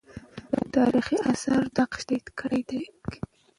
تاریخي آثار دا نقش تایید کړی وو.